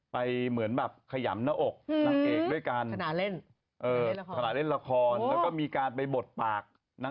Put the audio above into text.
ไปเหมือนแบบขยำหน้าอก